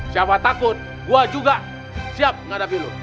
siapa takut gua juga siap ngadapi lu